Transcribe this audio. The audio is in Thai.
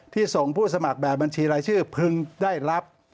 ส่งผู้สมัครแบบบัญชีรายชื่อพึงได้รับ